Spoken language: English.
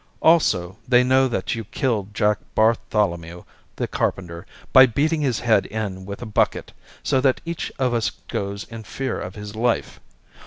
Also, they know that you killed Jack Bartholomew, the carpenter, by beating his head in with a bucket, so that each of us goes in fear of his life.